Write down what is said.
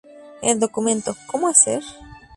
El documento "¿Cómo hacer?